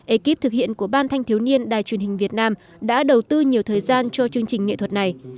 ekip thực hiện của ban thanh thiếu niên đài truyền hình việt nam đã đầu tư nhiều thời gian cho chương trình nghệ thuật này